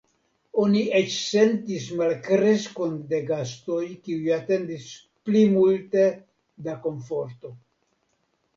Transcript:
Oni eĉ sentis malkreskon de gastoj kiuj atendis pli multe da komforto.